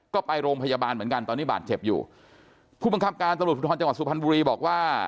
ก็ไปโรงพยาบาลเหมือนกันตอนนี้บาดเจ็บอยู่ผู้บังคับการตำรวจภูทรจังหวัดสุพรรณบุรีบอกว่า